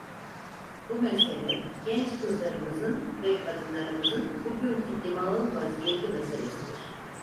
Bu mesele, genç kızlarımızın ve kadınlarımızın bugünkü dimağî vaziyeti meselesidir.